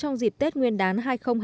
trong dịp tết nguyên đán hai nghìn hai mươi